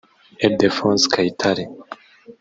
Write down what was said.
Ildephonse Kayitare